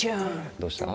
どうした？